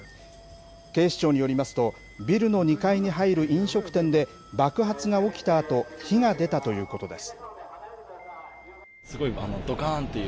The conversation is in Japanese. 警視庁によりますと、ビルの２階に入る飲食店で爆発が起きたあと、火が出たということです。